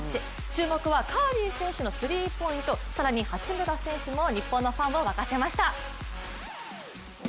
注目はカリー選手のスリーポイント、更に、八村選手も日本のファンを沸かせました。